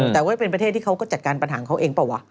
แต่ว่าเป็นประเทศที่เขาก็จัดการปัญหาของเขาเองเปล่าวะ